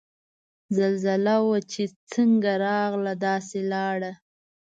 زلزله وه چه څنګ راغله داسے لاړه